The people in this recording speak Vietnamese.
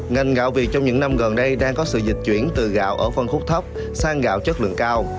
ngành gạo việt trong những năm gần đây đang có sự dịch chuyển từ gạo ở phân khúc thấp sang gạo chất lượng cao